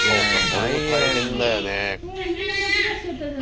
大変だよね。